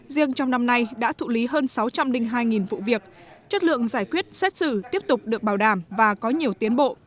riêng trong năm nay đã thụ lý hơn sáu trăm linh hai vụ việc chất lượng giải quyết xét xử tiếp tục được bảo đảm và có nhiều tiến bộ